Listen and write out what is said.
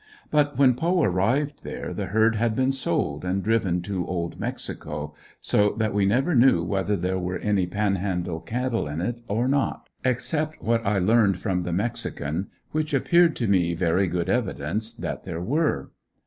But when Poe arrived there the herd had been sold and driven to Old Mexico, so that we never knew whether there were any Panhandle cattle in it or not, except what I learned from the mexican, which appeared to me very good evidence, that there were.